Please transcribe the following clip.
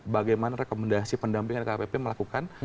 bagaimana rekomendasi pendamping lkpp melakukan